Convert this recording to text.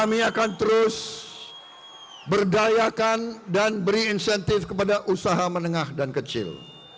kami akan terus berdayakan dan beri insentif kepada usaha menengah dan kecil